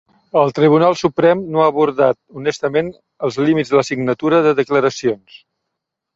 El Tribunal Suprem no ha abordat honestament els límits de la signatura de declaracions.